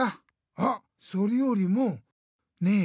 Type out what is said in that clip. あっそれよりもねえ